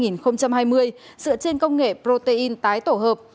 dựa trên công nghệ protein tái tổ hợp